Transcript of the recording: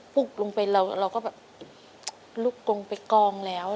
ปลุกลงไปเราก็แบบลุกลงไปกองแล้ว